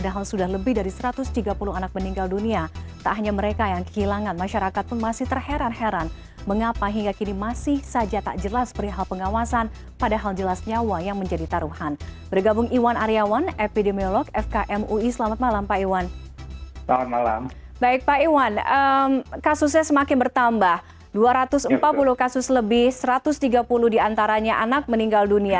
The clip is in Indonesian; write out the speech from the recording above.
kasusnya semakin bertambah dua ratus empat puluh kasus lebih satu ratus tiga puluh diantaranya anak meninggal dunia